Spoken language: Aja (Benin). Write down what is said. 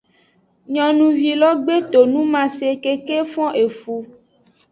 Nyonuvi lo gbe etonumase keke fon efu.